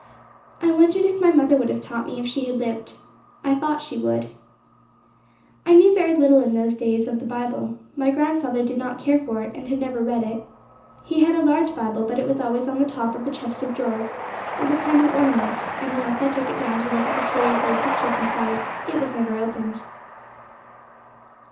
I wondered if my mother would have taught me if she had lived. I thought she would. I knew very little in those days of the Bible. My grandfather did not care for it, and never read it. He had a large Bible, but it was always laid on the top of the chest of drawers, as a kind of ornament; and unless I took it down to look at the curious old pictures inside, it was never opened.